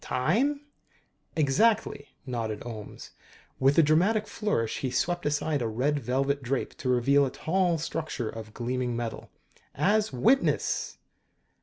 "Time?" "Exactly," nodded Ohms. With a dramatic flourish he swept aside a red velvet drape to reveal a tall structure of gleaming metal. "As witness!"